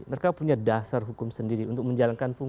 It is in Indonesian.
mereka punya dasar hukum sendiri untuk menjalankan fungsi